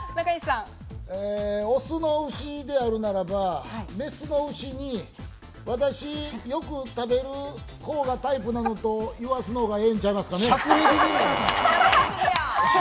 オスの牛であるならば、メスの牛に、私、よく食べる方がタイプなのと言わすのが、ちゃいますかね。